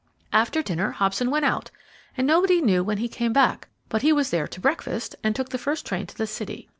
After dinner Hobson went out, and nobody knew when he came back; but he was there to breakfast, and took the first train to the city.